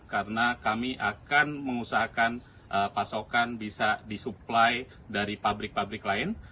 karena kami akan mengusahakan pasokan bisa disuplai dari pabrik pabrik lain